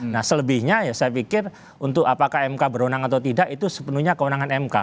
nah selebihnya ya saya pikir untuk apakah mk berwenang atau tidak itu sepenuhnya kewenangan mk